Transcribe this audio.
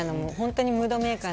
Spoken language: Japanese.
ムードメーカー